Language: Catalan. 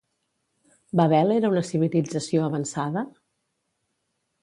Babel era una civilització avançada?